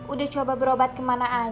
udah coba berobat kemana mana